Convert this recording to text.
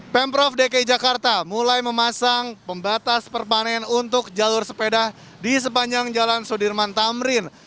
pemprov dki jakarta mulai memasang pembatas perpanen untuk jalur sepeda di sepanjang jalan sudirman tamrin